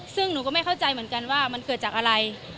ซึ่งหนูก็ไม่เข้าใจเหมือนกันว่ามันเกิดจากอะไร